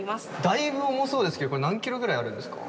だいぶ重そうですけどこれ何キロぐらいあるんですか？